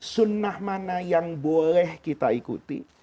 sunnah mana yang boleh kita ikuti